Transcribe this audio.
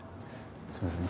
すいません。